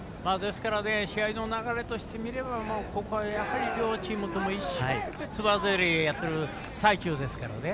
試合の流れとしてみればここは両チームとも一生懸命、つばぜり合いをやっている最中ですからね。